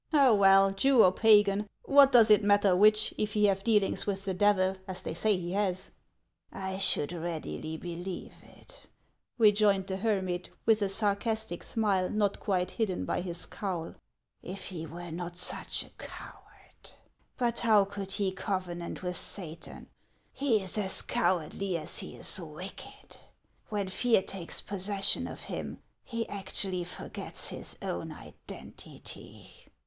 " Well, Jew or Pagan, what does it matter which, if he have dealings with the Devil, as they say he has ?"" I should readily believe it," rejoined the hermit, with a sarcastic smile, not quite hidden by his cowl, " if he were not such a coward. But how could he covenant with Satan ? He is as cowardly as he is wicked. When fear takes possession of him, he actually forgets his own identity."